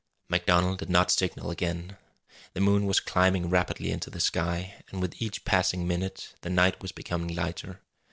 MacDonald did not signal again. The moon was climbing rapidly into the sky, and with each passing minute the night was becoming lighter.